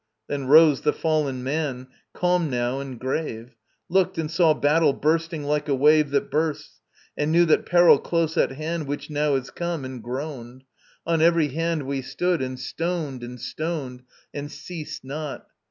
Then rose the fallen man, calm now and grave, Looked, and saw battle bursting like a wave That bursts, and knew that peril close at hand Which now is come, and groaned. On every hand We stood, and stoned and stoned, and ceased not.